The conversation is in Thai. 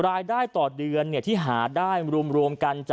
รายได้ต่อเดือนที่หาได้รวมกัน